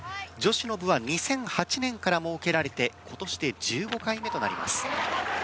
女子の部は２００８年から設けられて今年で１５回目となります。